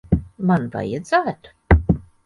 Man vajadzētu?